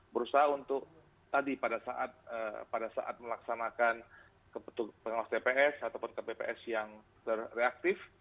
berusaha untuk tadi pada saat melaksanakan pengawas tps ataupun kpps yang terreaktif